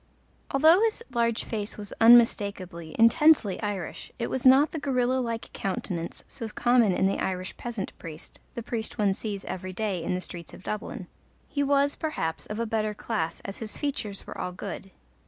Although his large face was unmistakably, intensely Irish, it was not the gorilla like countenance so common in the Irish peasant priest the priest one sees every day in the streets of Dublin. He was, perhaps, of a better class, as his features were all good.